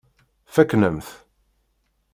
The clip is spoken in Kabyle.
Fakken-am-t.